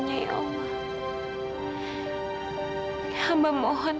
butuh buat ruang